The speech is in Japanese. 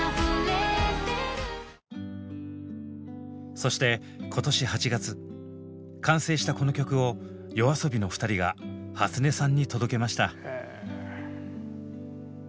そして今年８月完成したこの曲をＹＯＡＳＯＢＩの２人がはつねさんに届けました。